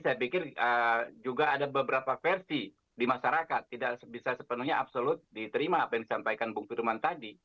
saya pikir juga ada beberapa versi di masyarakat tidak bisa sepenuhnya absolut diterima apa yang disampaikan bung firman tadi